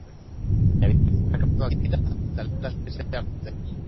Baina bizitzak sakratuak dira eta lehentasuna izan behar dute.